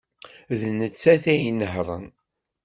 D nettat ay inehhṛen.